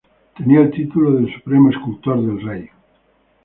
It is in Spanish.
Tenía el título de "Supremo escultor del Rey".